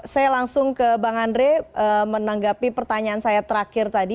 saya langsung ke bang andre menanggapi pertanyaan saya terakhir tadi